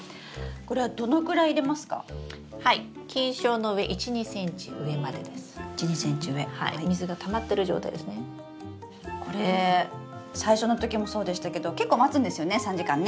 これ最初の時もそうでしたけど結構待つんですよね